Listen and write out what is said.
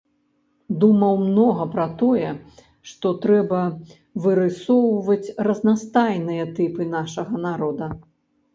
Думаў многа пра тое, што трэба вырысоўваць разнастайныя тыпы нашага народа.